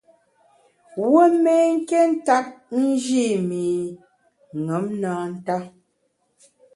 Wuo mé nké ntap nji i mi ṅom na nta.